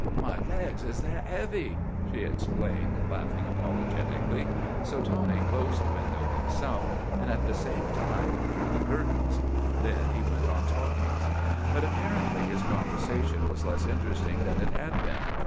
"My legs is that heavy," she explained, laughing apologetically. So Tony closed the window himself, and at the same time drew the curtains. Then he went on talking. But apparently his conversation was less interesting than it had been.